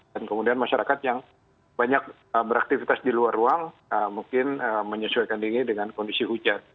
dan kemudian masyarakat yang banyak beraktivitas di luar ruang mungkin menyesuaikan dingin dengan kondisi hujan